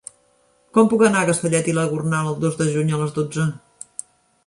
Com puc anar a Castellet i la Gornal el dos de juny a les dotze?